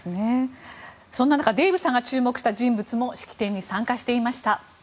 そんな中、デーブさんが注目した人物も式典に参加していました。